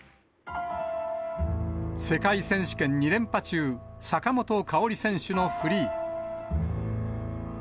世界選手権２連覇中、坂本花織選手のフリー。